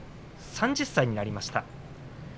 ３０歳になりました。